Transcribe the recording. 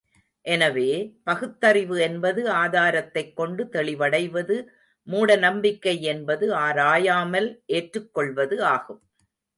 எனவே, பகுத்தறிவு என்பது ஆதாரத்தைக் கொண்டு தெளிவடைவது மூடநம்பிக்கை என்பது ஆராயாமல் ஏற்றுக்கொள்வது ஆகும்.